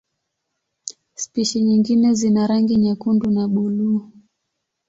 Spishi nyingine zina rangi nyekundu na buluu.